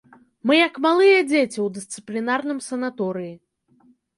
Мы як малыя дзеці ў дысцыплінарным санаторыі.